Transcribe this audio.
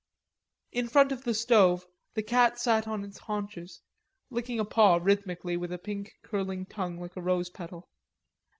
In front of the stove the cat sat on its haunches, licking a paw rhythmically with a pink curling tongue like a rose petal.